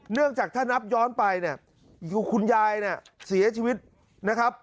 เนื่องจากถ้านับย้อนไปเนี่ยอยู่คุณยายเนี่ยเสียชีวิตนะครับ